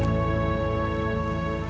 aku mau pergi